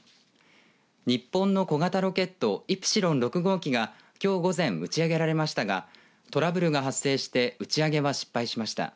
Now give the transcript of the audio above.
日本の小型ロケットイプシロン６号機がきょう午前打ち上げられましたがトラブルが発生して打ち上げは失敗しました。